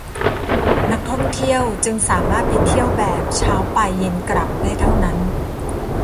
นักท่องเที่ยวจึงสามารถไปเที่ยวแบบเช้าไปเย็นกลับได้เท่านั้น